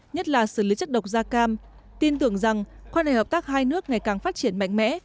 nhất là xử lý chất độc da cam tin tưởng rằng quan hệ hợp tác hai nước ngày càng phát triển mạnh mẽ